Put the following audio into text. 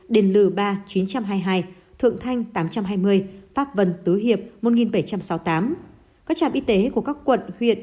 đền lừ ba chín trăm hai mươi hai thượng thanh tám trăm hai mươi pháp vân tứ hiệp một nghìn bảy trăm sáu mươi tám các trạm y tế của các quận huyện